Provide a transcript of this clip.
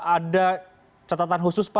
ada catatan khusus pak